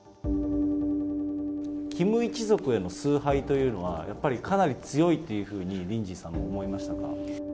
キム一族への崇拝というのは、やっぱりかなり強いというふうにリンジーさんも思いましたか？